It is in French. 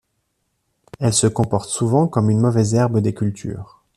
Elle se comporte souvent comme une mauvaise herbe des cultures.